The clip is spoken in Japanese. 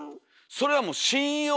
それはもう信用。